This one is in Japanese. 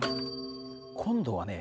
今度はね